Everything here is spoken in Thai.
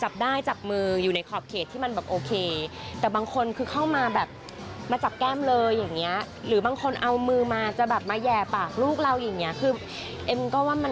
อุ้มได้เลยไม่เป็นไรเลยคือเราไม่ได้แบบว่า